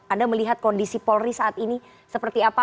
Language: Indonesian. anda melihat kondisi polri saat ini seperti apa